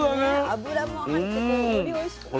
油も入っててよりおいしくなって。